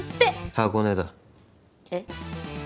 箱根だえっ？